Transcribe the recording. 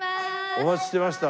お待ちしてました。